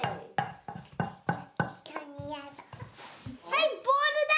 はいボールだ！